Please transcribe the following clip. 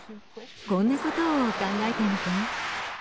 こんなことを考えてみて。